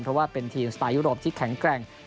เพราะว่าเป็นทีมสไตล์ยุโรปที่แข็งแกร่ง